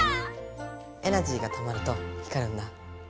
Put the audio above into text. エナジーがたまると光るんだ。